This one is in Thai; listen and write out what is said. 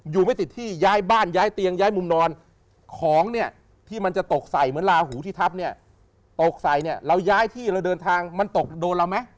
ไม่ติดที่ย้ายบ้านย้ายเตียงย้ายมุมนอนของเนี่ยที่มันจะตกใส่เหมือนลาหูที่ทับเนี่ยตกใส่เนี่ยเราย้ายที่เราเดินทางมันตกโดนเราไหม